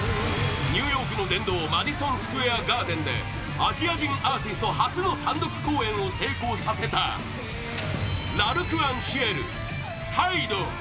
ニューヨークの殿堂マディソン・スクエア・ガーデンでアジア人アーティスト初の単独公演を成功させた Ｌ’ＡｒｃｅｎＣｉｅｌＨＹＤＥ